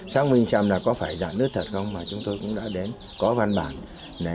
xác minh xem là có phải giãn nứt thật không mà chúng tôi cũng đã đến có văn bản